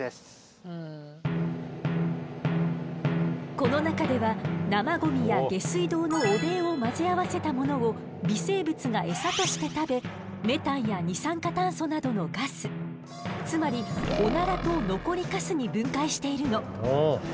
この中では生ゴミや下水道の汚泥を混ぜ合わせたものを微生物がエサとして食べメタンや二酸化炭素などのガスつまりオナラと残りカスに分解しているの。